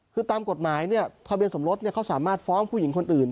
คือตามกฎหมายเนี่ยทะเบียนสมรสเขาสามารถฟ้องผู้หญิงคนอื่น